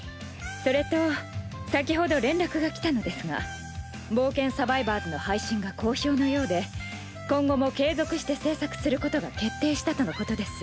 それと先ほど連絡が来たのですが「冒険サバイバーズ」の配信が好評のようで今後も継続して制作することが決定したとのことです。